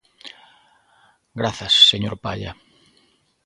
Grazas, señor Palla.